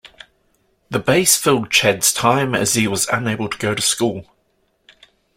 The bass filled Chad's time as he was unable to go to school.